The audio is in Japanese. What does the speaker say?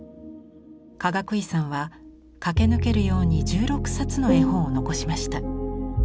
かがくいさんは駆け抜けるように１６冊の絵本を残しました。